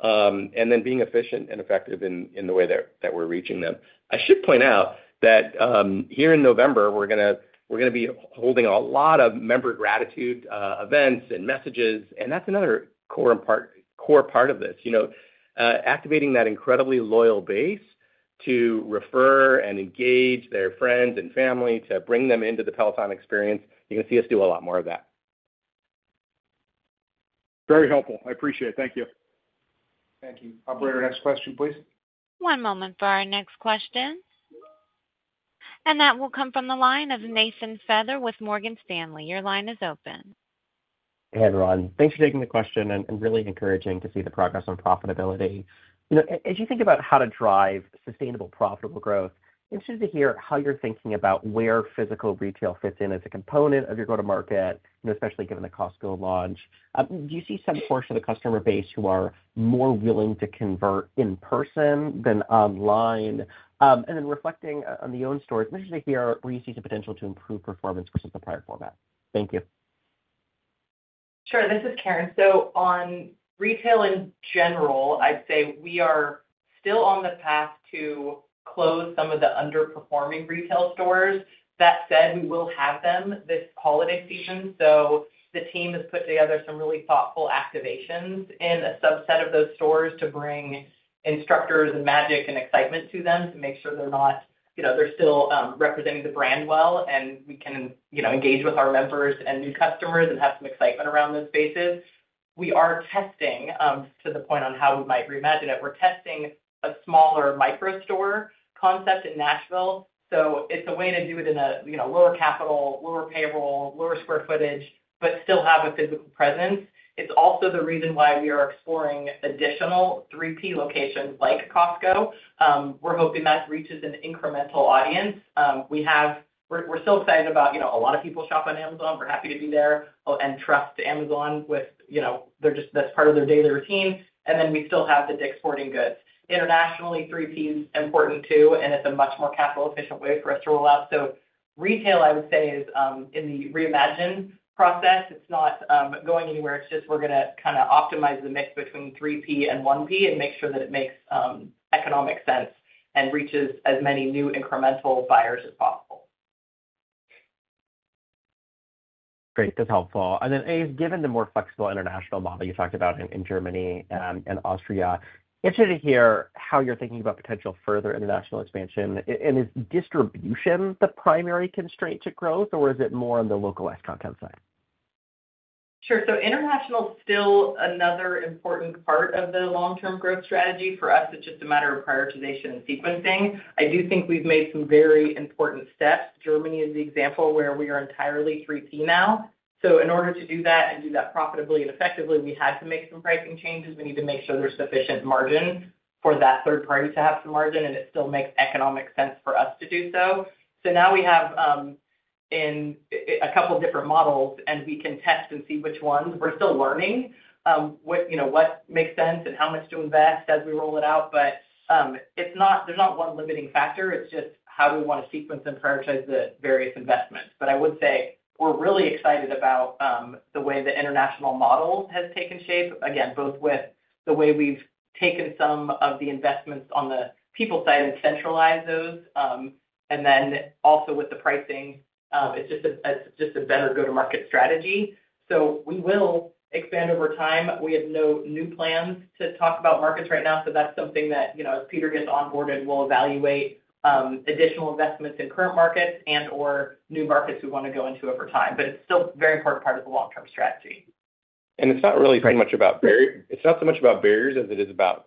and then being efficient and effective in the way that we're reaching them. I should point out that here in November, we're going to be holding a lot of member gratitude events and messages. And that's another core part of this. Activating that incredibly loyal base to refer and engage their friends and family to bring them into the Peloton experience. You can see us do a lot more of that. Very helpful. I appreciate it. Thank you. Thank you. Operator, next question, please. One moment for our next question. And that will come from the line of Nathan Feather with Morgan Stanley. Your line is open. Hey, everyone. Thanks for taking the question and really encouraging to see the progress on profitability. As you think about how to drive sustainable profitable growth, interested to hear how you're thinking about where physical retail fits in as a component of your go-to-market, especially given the Costco launch. Do you see some portion of the customer base who are more willing to convert in person than online? And then reflecting on the own stores, what do you see as a potential to improve performance versus the prior format? Thank you. Sure. This is Karen. So on retail in general, I'd say we are still on the path to close some of the underperforming retail stores. That said, we will have them this holiday season. So the team has put together some really thoughtful activations in a subset of those stores to bring instructors and magic and excitement to them to make sure they're still representing the brand well and we can engage with our members and new customers and have some excitement around those spaces. We are testing to the point on how we might reimagine it. We're testing a smaller microstore concept in Nashville. So it's a way to do it in a lower capital, lower payroll, lower square footage, but still have a physical presence. It's also the reason why we are exploring additional 3P locations like Costco. We're hoping that reaches an incremental audience. We're so excited about a lot of people shop on Amazon. We're happy to be there and trust Amazon with that, that's part of their daily routine. And then we still have the Dick's Sporting Goods. Internationally, 3P is important too, and it's a much more capital-efficient way for us to roll out. So retail, I would say, is in the reimagine process. It's not going anywhere. It's just we're going to kind of optimize the mix between 3P and 1P and make sure that it makes economic sense and reaches as many new incremental buyers as possible. Great. That's helpful. And then, given the more flexible international model you talked about in Germany and Austria, interested to hear how you're thinking about potential further international expansion. And is distribution the primary constraint to growth, or is it more on the localized content side? Sure. So international is still another important part of the long-term growth strategy for us. It's just a matter of prioritization and sequencing. I do think we've made some very important steps. Germany is the example where we are entirely 3P now. So in order to do that and do that profitably and effectively, we had to make some pricing changes. We need to make sure there's sufficient margin for that third party to have some margin, and it still makes economic sense for us to do so. So now we have a couple of different models, and we can test and see which ones. We're still learning what makes sense and how much to invest as we roll it out. But there's not one limiting factor. It's just how do we want to sequence and prioritize the various investments. But I would say we're really excited about the way the international model has taken shape, again, both with the way we've taken some of the investments on the people side and centralize those, and then also with the pricing. It's just a better go-to-market strategy. So we will expand over time. We have no new plans to talk about markets right now. So that's something that, as Peter gets onboarded, we'll evaluate additional investments in current markets and/or new markets we want to go into over time. But it's still a very important part of the long-term strategy. And it's not really so much about barriers. It's not so much about barriers as it is about,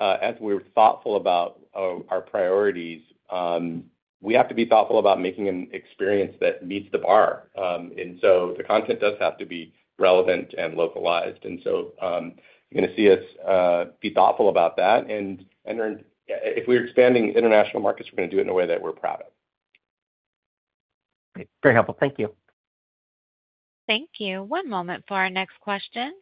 as we're thoughtful about our priorities, we have to be thoughtful about making an experience that meets the bar. And so the content does have to be relevant and localized. And so you're going to see us be thoughtful about that. And if we're expanding international markets, we're going to do it in a way that we're proud of. Great. Very helpful. Thank you. Thank you. One moment for our next question.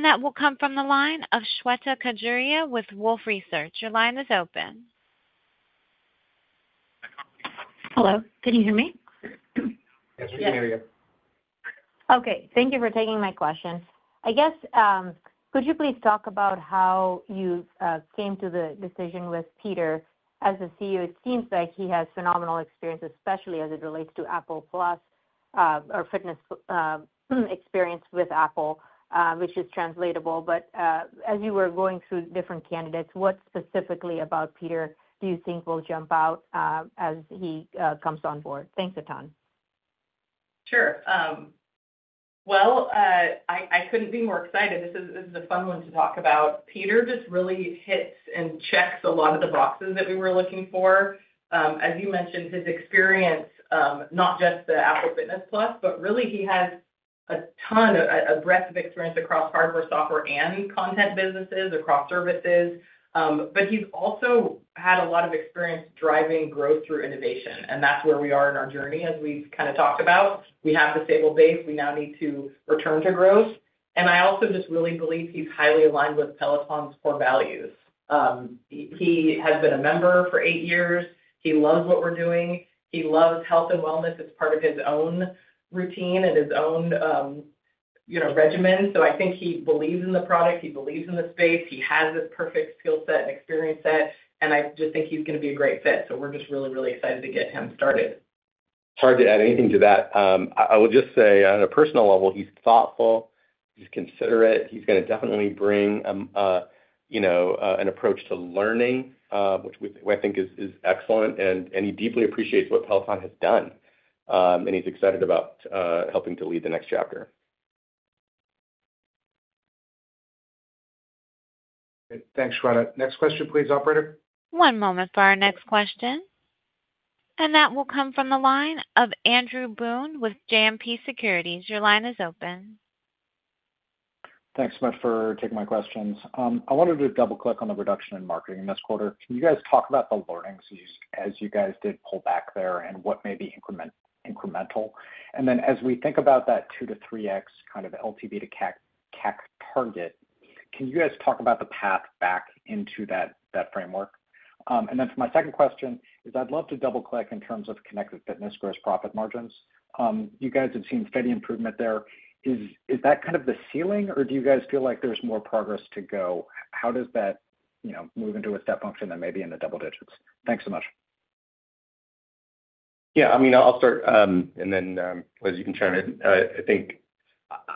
That will come from the line of Shweta Khajuria with Wolfe Research. Your line is open. Hello. Can you hear me? Yes, we can hear you. Okay. Thank you for taking my question. I guess, could you please talk about how you came to the decision with Peter as the CEO? It seems like he has phenomenal experience, especially as it relates to Apple Fitness+ or fitness experience with Apple, which is translatable. But as you were going through different candidates, what specifically about Peter do you think will jump out as he comes on board? Thanks a ton. Sure. I couldn't be more excited. This is a fun one to talk about. Peter just really hits and checks a lot of the boxes that we were looking for. As you mentioned, his experience, not just the Apple Fitness+, but really he has a ton of breadth of experience across hardware, software, and content businesses, across services. But he's also had a lot of experience driving growth through innovation. And that's where we are in our journey, as we've kind of talked about. We have the stable base. We now need to return to growth. And I also just really believe he's highly aligned with Peloton's core values. He has been a member for eight years. He loves what we're doing. He loves health and wellness as part of his own routine and his own regimen. So I think he believes in the product. He believes in the space. He has this perfect skill set and experience set. And I just think he's going to be a great fit. So we're just really, really excited to get him started. It's hard to add anything to that. I will just say, on a personal level, he's thoughtful. He's considerate. He's going to definitely bring an approach to learning, which I think is excellent. And he deeply appreciates what Peloton has done. And he's excited about helping to lead the next chapter. Thanks, Shweta. Next question, please, operator. One moment for our next question. And that will come from the line of Andrew Boone with JMP Securities. Your line is open. Thanks so much for taking my questions. I wanted to double-click on the reduction in marketing in this quarter. Can you guys talk about the learnings as you guys did pull back there and what may be incremental? And then, as we think about that 2x-3x kind of LTV-to-CAC target, can you guys talk about the path back into that framework? And then, for my second question, I'd love to double-click in terms of connected fitness gross profit margins. You guys have seen steady improvement there. Is that kind of the ceiling, or do you guys feel like there's more progress to go? How does that move into a step function that may be in the double digits? Thanks so much. Yeah. I mean, I'll start. And then as you can chime in, I think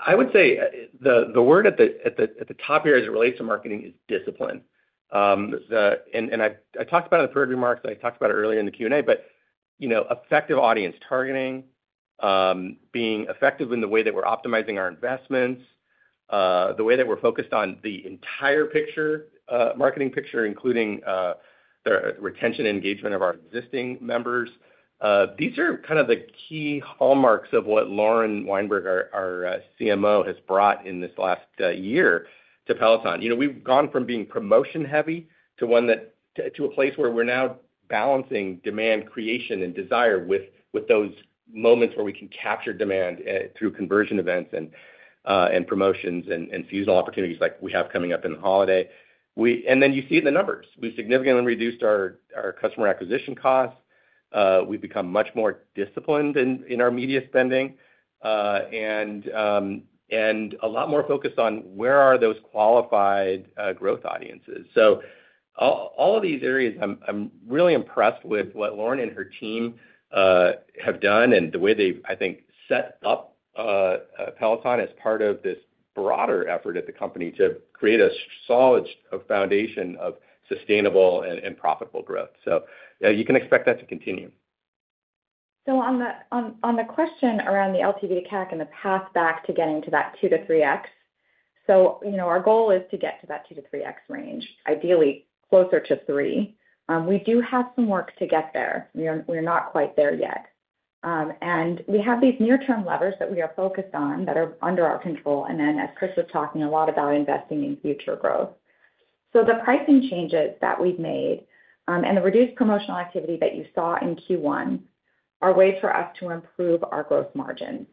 I would say the word at the top here as it relates to marketing is discipline. And I talked about it in the prior remarks. I talked about it earlier in the Q&A, but effective audience targeting, being effective in the way that we're optimizing our investments, the way that we're focused on the entire marketing picture, including the retention and engagement of our existing members. These are kind of the key hallmarks of what Lauren Weinberg, our CMO, has brought in this last year to Peloton. We've gone from being promotion-heavy to a place where we're now balancing demand creation and desire with those moments where we can capture demand through conversion events and promotions and seasonal opportunities like we have coming up in the holiday, and then you see it in the numbers. We've significantly reduced our customer acquisition costs. We've become much more disciplined in our media spending and a lot more focused on where are those qualified growth audiences. So all of these areas, I'm really impressed with what Lauren and her team have done and the way they, I think, set up Peloton as part of this broader effort at the company to create a solid foundation of sustainable and profitable growth. So you can expect that to continue. So on the question around the LTV to CAC and the path back to getting to that 2x-3x, so our goal is to get to that 2x-3x range, ideally closer to 3. We do have some work to get there. We're not quite there yet. And we have these near-term levers that we are focused on that are under our control. And then, as Chris was talking a lot about investing in future growth. So the pricing changes that we've made and the reduced promotional activity that you saw in Q1 are ways for us to improve our gross margins.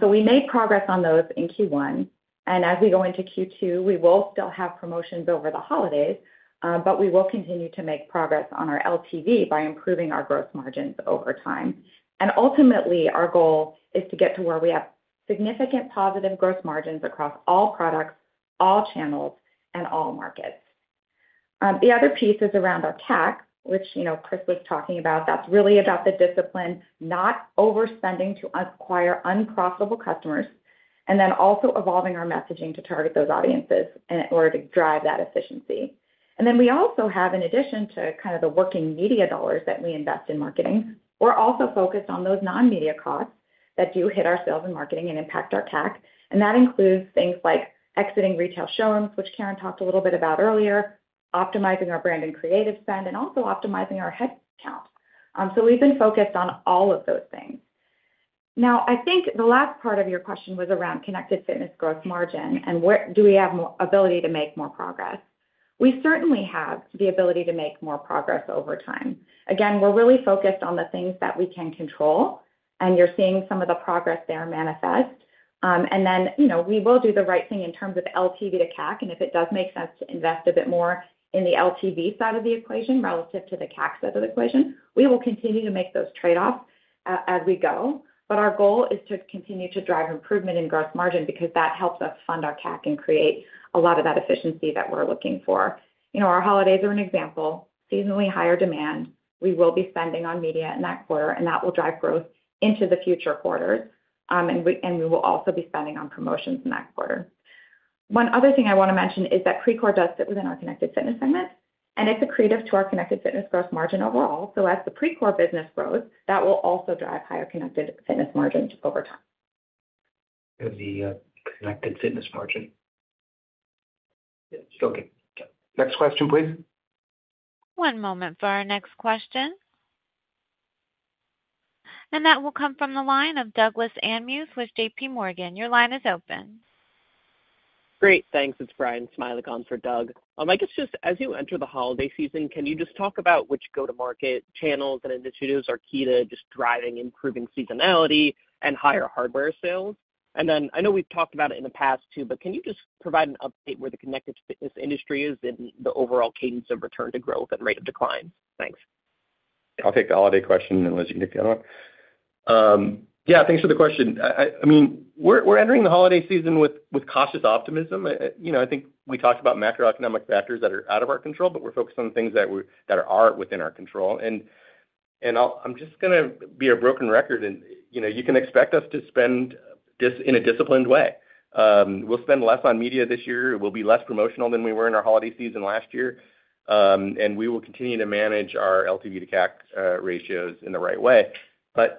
So we made progress on those in Q1. And as we go into Q2, we will still have promotions over the holidays, but we will continue to make progress on our LTV by improving our gross margins over time. And ultimately, our goal is to get to where we have significant positive gross margins across all products, all channels, and all markets. The other piece is around our CAC, which Chris was talking about. That's really about the discipline, not overspending to acquire unprofitable customers, and then also evolving our messaging to target those audiences in order to drive that efficiency. And then we also have, in addition to kind of the working media dollars that we invest in marketing, we're also focused on those non-media costs that do hit our sales and marketing and impact our CAC. And that includes things like exiting retail showrooms, which Karen talked a little bit about earlier, optimizing our brand and creative spend, and also optimizing our headcount. So we've been focused on all of those things. Now, I think the last part of your question was around connected fitness gross margin and do we have ability to make more progress. We certainly have the ability to make more progress over time. Again, we're really focused on the things that we can control, and you're seeing some of the progress there manifest. And then we will do the right thing in terms of LTV to CAC. And if it does make sense to invest a bit more in the LTV side of the equation relative to the CAC side of the equation, we will continue to make those trade-offs as we go. But our goal is to continue to drive improvement in gross margin because that helps us fund our CAC and create a lot of that efficiency that we're looking for. Our holidays are an example. Seasonally higher demand, we will be spending on media in that quarter, and that will drive growth into the future quarters. And we will also be spending on promotions in that quarter. One other thing I want to mention is that Precor does sit within our connected fitness segment, and it's accretive to our connected fitness gross margin overall. So as the Precor business grows, that will also drive higher connected fitness margins over time. And the connected fitness margin. Yeah. Okay. Next question, please. One moment for our next question. And that will come from the line of Douglas Anmuth with JPMorgan. Your line is open. Great. Thanks. It's Bryan Smilek for Doug. I guess just as you enter the holiday season, can you just talk about which go-to-market channels and initiatives are key to just driving improving seasonality and higher hardware sales? And then I know we've talked about it in the past, too, but can you just provide an update where the connected fitness industry is in the overall cadence of return to growth and rate of decline? Thanks. I'll take the holiday question and let you take the other one. Yeah. Thanks for the question. I mean, we're entering the holiday season with cautious optimism. I think we talked about macroeconomic factors that are out of our control, but we're focused on things that are within our control. I'm just going to be a broken record, and you can expect us to spend in a disciplined way. We'll spend less on media this year. We'll be less promotional than we were in our holiday season last year. We will continue to manage our LTV to CAC ratios in the right way.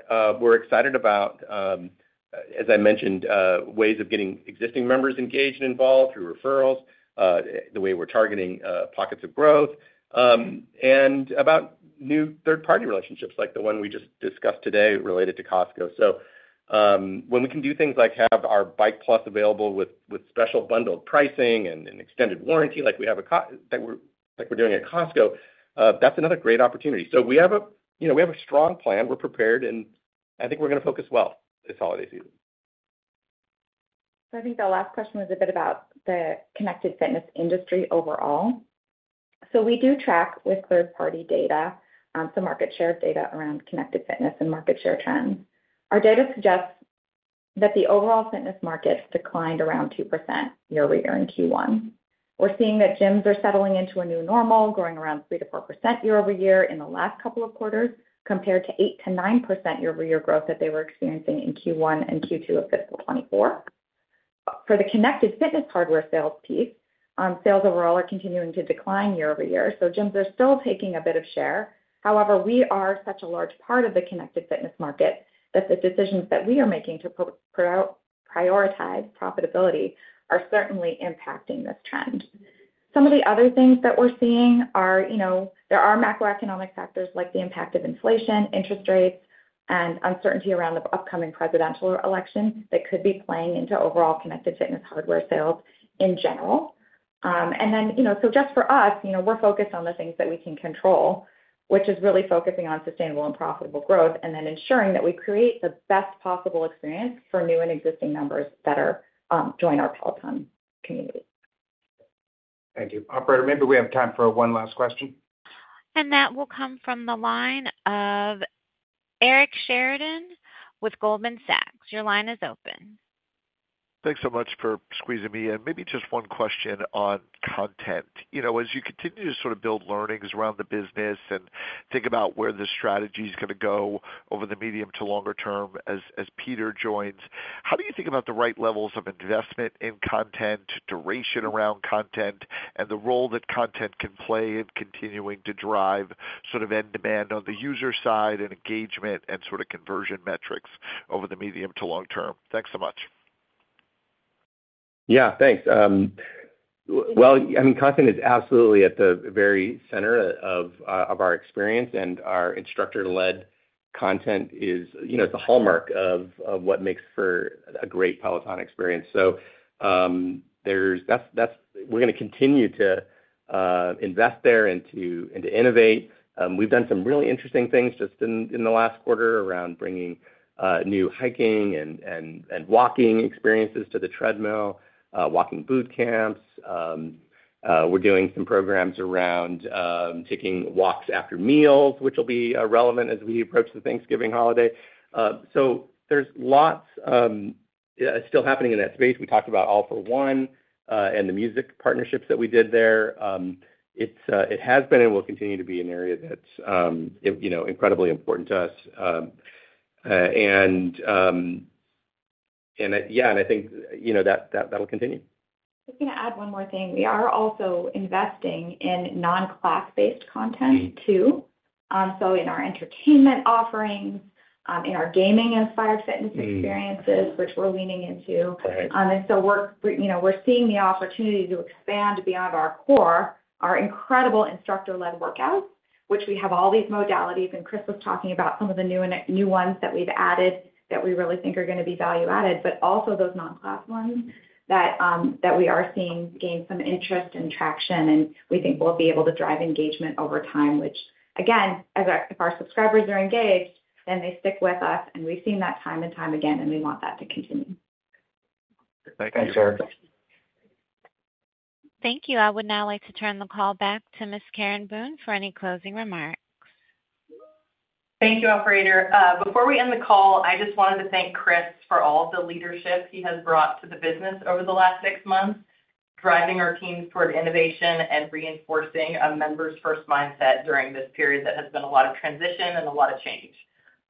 We're excited about, as I mentioned, ways of getting existing members engaged and involved through referrals, the way we're targeting pockets of growth, and about new third-party relationships like the one we just discussed today related to Costco. When we can do things like have our Bike+ available with special bundled pricing and an extended warranty like we're doing at Costco, that's another great opportunity. We have a strong plan. We're prepared, and I think we're going to focus well this holiday season. I think the last question was a bit about the connected fitness industry overall. We do track with third-party data, so market share data around connected fitness and market share trends. Our data suggests that the overall fitness market declined around 2% year-over-year in Q1. We're seeing that gyms are settling into a new normal, growing around 3%-4% year-over-year in the last couple of quarters compared to 8%-9% year-over-year growth that they were experiencing in Q1 and Q2 of fiscal 2024. For the connected fitness hardware sales piece, sales overall are continuing to decline year-over-year. Gyms are still taking a bit of share. However, we are such a large part of the connected fitness market that the decisions that we are making to prioritize profitability are certainly impacting this trend. Some of the other things that we're seeing are, there are macroeconomic factors like the impact of inflation, interest rates, and uncertainty around the upcoming presidential election that could be playing into overall connected fitness hardware sales in general, and then so just for us, we're focused on the things that we can control, which is really focusing on sustainable and profitable growth and then ensuring that we create the best possible experience for new and existing members that join our Peloton community. Thank you. Operator, maybe we have time for one last question. And that will come from the line of Eric Sheridan with Goldman Sachs. Your line is open. Thanks so much for squeezing me in. Maybe just one question on content. As you continue to sort of build learnings around the business and think about where the strategy is going to go over the medium to longer term as Peter joins, how do you think about the right levels of investment in content, duration around content, and the role that content can play in continuing to drive sort of end demand on the user side and engagement and sort of conversion metrics over the medium to long term? Thanks so much. Yeah. Thanks. Well, I mean, content is absolutely at the very center of our experience, and our instructor-led content is the hallmark of what makes for a great Peloton experience. So we're going to continue to invest there and to innovate. We've done some really interesting things just in the last quarter around bringing new hiking and walking experiences to the treadmill, walking boot camps. We're doing some programs around taking walks after meals, which will be relevant as we approach the Thanksgiving holiday. So there's lots still happening in that space. We talked about All For One and the music partnerships that we did there. It has been and will continue to be an area that's incredibly important to us. And yeah, and I think that will continue. I was going to add one more thing. We are also investing in non-class-based content, too. So in our entertainment offerings, in our gaming-inspired fitness experiences, which we're leaning into. And so we're seeing the opportunity to expand beyond our core, our incredible instructor-led workouts, which we have all these modalities. And Chris was talking about some of the new ones that we've added that we really think are going to be value-added, but also those non-class ones that we are seeing gain some interest and traction, and we think we'll be able to drive engagement over time, which, again, if our subscribers are engaged, then they stick with us. And we've seen that time and time again, and we want that to continue. Thank you, sir. Thank you. I would now like to turn the call back to Ms. Karen Boone for any closing remarks. Thank you, Operator. Before we end the call, I just wanted to thank Chris for all of the leadership he has brought to the business over the last six months, driving our teams toward innovation and reinforcing a members-first mindset during this period that has been a lot of transition and a lot of change.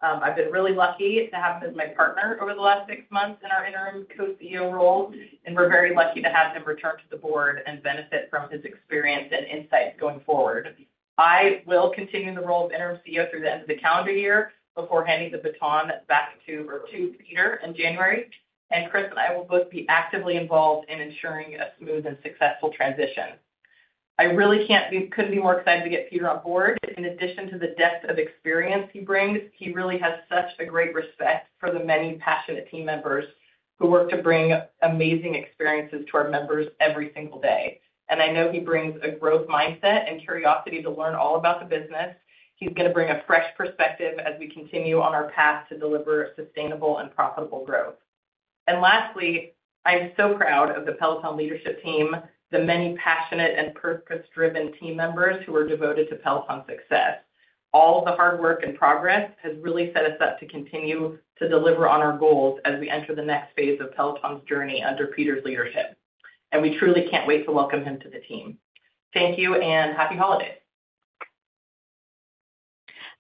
I've been really lucky to have him as my partner over the last six months in our interim co-CEO role, and we're very lucky to have him return to the board and benefit from his experience and insights going forward. I will continue the role of interim CEO through the end of the calendar year before handing the baton back to Peter in January. And Chris and I will both be actively involved in ensuring a smooth and successful transition. I really couldn't be more excited to get Peter on board. In addition to the depth of experience he brings, he really has such a great respect for the many passionate team members who work to bring amazing experiences to our members every single day. And I know he brings a growth mindset and curiosity to learn all about the business. He's going to bring a fresh perspective as we continue on our path to deliver sustainable and profitable growth. And lastly, I'm so proud of the Peloton leadership team, the many passionate and purpose-driven team members who are devoted to Peloton success. All of the hard work and progress has really set us up to continue to deliver on our goals as we enter the next phase of Peloton's journey under Peter's leadership. And we truly can't wait to welcome him to the team. Thank you and happy holidays.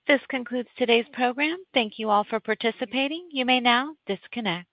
This concludes today's program. Thank you all for participating. You may now disconnect.